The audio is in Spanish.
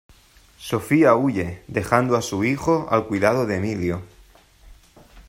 Sofía huye, dejando a su hijo al cuidado de Emilio.